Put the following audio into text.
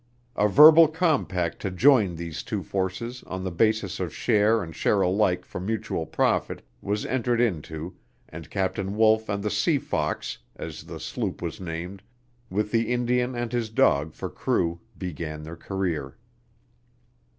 A verbal compact to join these two forces on the basis of share and share alike for mutual profit, was entered into, and Captain Wolf and the Sea Fox, as the sloop was named, with the Indian and his dog for crew, began their career.